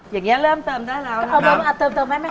อย่างนี้เริ่มเติมได้แล้วนะ